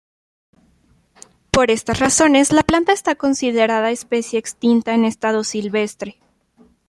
Por esas razones, la planta está considerada especie extinta en estado silvestre.